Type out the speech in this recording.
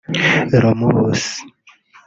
Romulus